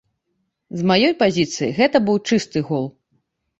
З маёй пазіцыі гэта быў чысты гол.